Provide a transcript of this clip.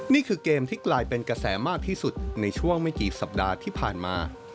นี่คือเกมที่กลายเป็นกระแสมากที่สุดในช่วงไม่กี่สัปดาห์ที่ผ่านมา